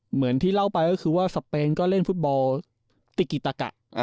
เหมือนที่เล่าไปก็คือว่าสเปนก็เล่นฟุตบอลติกิตะกะ